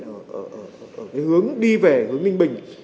ở hướng đi về hướng ninh bình